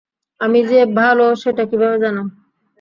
আমি যে ভাল, সেটা কীভাবে জান?